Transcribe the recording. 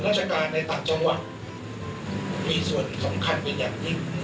ราชการในต่างจังหวัดมีส่วนสำคัญเป็นอย่างยิ่ง